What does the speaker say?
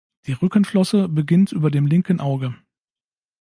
Die Rückenflosse beginnt über dem linken Auge.